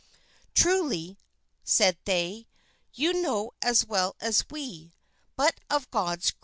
"Truly," said they, "you know as well as we, but of God's grace."